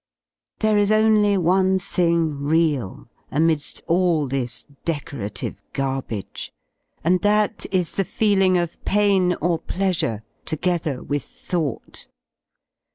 ^, Id There is only one thing real amid^ all this decorative ^ Jt »][ garbage, and that is the feeling of pain or pleasure, together ) {\FA with thought.